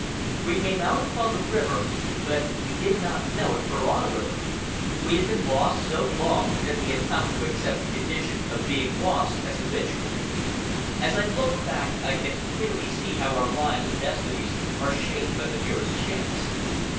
We came out upon the river, but we did not know it for our river. We had been lost so long that we had come to accept the condition of being lost as habitual. As I look back I see clearly how our lives and destinies are shaped by the merest chance.